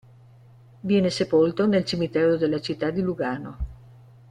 Viene sepolto nel cimitero della città di Lugano.